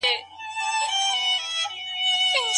که قلم د ځواک سمبول وي نو لاس لیکنه یې کارول دي.